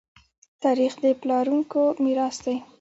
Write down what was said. تاریخ د پلارونکو میراث دی.